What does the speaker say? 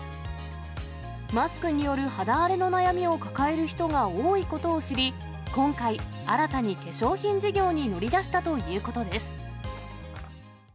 マスクによる肌荒れの悩みを抱える人が多いことを知り、今回、新たに化粧品事業に乗り出したということです。